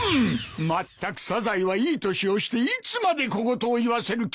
まったくサザエはいい年をしていつまで小言を言わせる気だ！